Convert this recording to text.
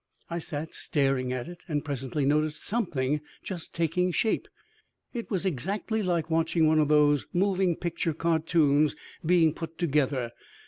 I sat staring at it and presently noticed something just taking shape. It was exactly like watching one of these moving picture cartoons being put together.